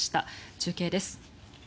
中継です。